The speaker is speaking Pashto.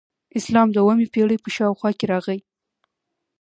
اسلام د اوومې پیړۍ په شاوخوا کې راغی